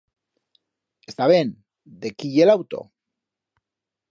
Está ben... de quí ye l'auto?